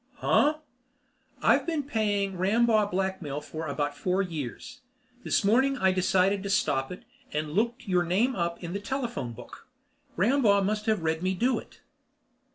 "Huh?" "I've been paying Rambaugh blackmail for about four years. This morning I decided to stop it, and looked your name up in the telephone book. Rambaugh must have read me do it."